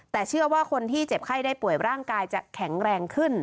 แต่เชื่อว่าคนที่เจ็บไข้ได้ป่วยร่างกายจะแข็งแรงขึ้น